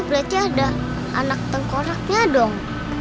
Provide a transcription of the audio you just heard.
berarti ada anak tengkoraknya dong